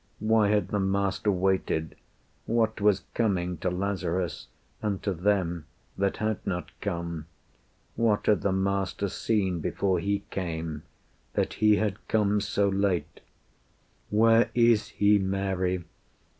Why had the Master waited? What was coming To Lazarus, and to them, that had not come? What had the Master seen before He came, That He had come so late? "Where is He, Mary?"